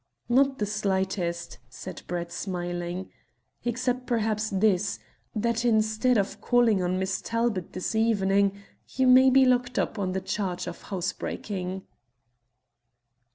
"Not the slightest," said Brett, smiling, "except perhaps this, that instead of calling on Miss Talbot this evening you may be locked up on the charge of housebreaking."